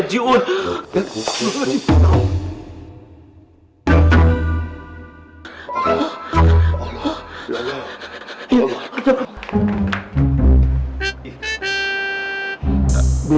buah maafin semua aja ya